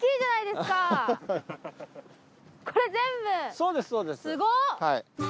すごっ！